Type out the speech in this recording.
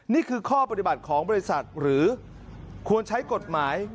นี่คือข้อปฏิบัติของบริษัทหรือควรใช้กฎหมาย